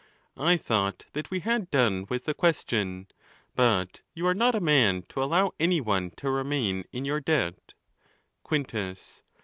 I thought that we had done with the question ; but you are not a man to allow any one to remain in your debt. Quintus.